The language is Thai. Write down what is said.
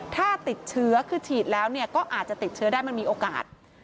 ถ้าติดเชื้อคือฉีดแล้วก็อาจจะติดเชื้อได้มันมีโอกาส